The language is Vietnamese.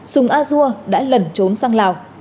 sùng a dua đã lẩn trốn sang lào